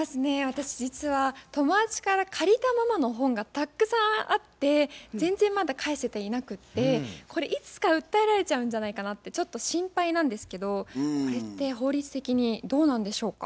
私実は友達から借りたままの本がたくさんあって全然まだ返せていなくってこれいつか訴えられちゃうんじゃないかなってちょっと心配なんですけどこれって法律的にどうなんでしょうか？